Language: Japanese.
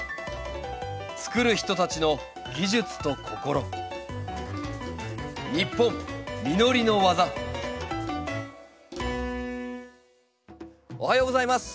つくる人たちの技術と心おはようございます。